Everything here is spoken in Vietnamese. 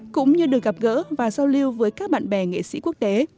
cũng như được gặp gỡ và giao lưu với các bạn bè nghệ sĩ quốc tế